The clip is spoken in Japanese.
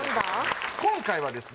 今回はですね